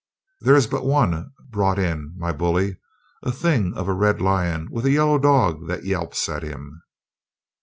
"There is but one brought in, my bully. A thing of a red lion with a yellow dog that yelps at him."